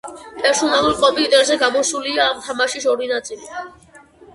პერსონალურ კომპიუტერზე გამოსულია ამ თამაშის ორი ნაწილი.